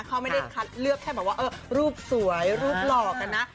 เขาไม่ได้คัดเลือกแค่แบบว่ารูปสวยรูปหลอกกันนะ